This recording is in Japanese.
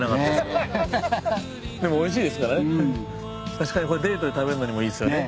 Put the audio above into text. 確かにこれデートで食べるのにもいいですよね。